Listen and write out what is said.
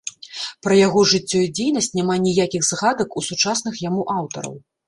Пра яго жыццё і дзейнасць няма ніякіх згадак у сучасных яму аўтараў.